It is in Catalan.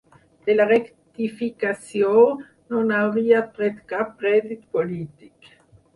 De la rectificació, no n’hauria tret cap rèdit polític.